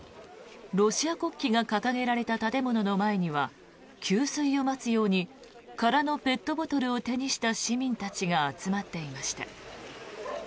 ロシア国旗が掲げられた建物の前には給水を待つように空のペットボトルを手にした市民たちが集まっていました。